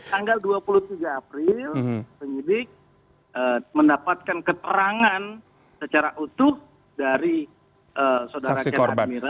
tanggal dua puluh tiga april penyidik mendapatkan keterangan secara utuh dari saudara ken admira